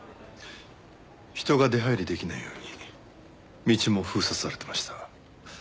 人が出入りできないように道も封鎖されてました。